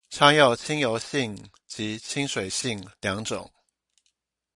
常有親油性及親水性兩種